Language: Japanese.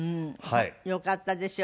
よかったですよ。